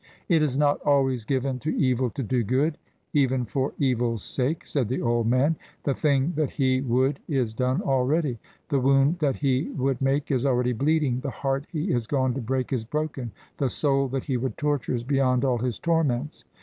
"It is not always given to evil to do good, even for evil's sake," said the old man. "The thing that he would is done already. The wound that he would make is already bleeding; the heart he is gone to break is broken; the soul that he would torture is beyond all his torments."